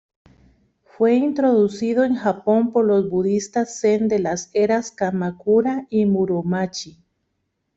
Fue introducido en Japón por los budistas zen de las eras Kamakura y Muromachi.